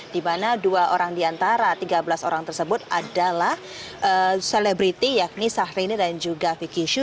di mana dua orang diantara tiga belas orang tersebut adalah selebriti yakni syahrini dan juga vicky shu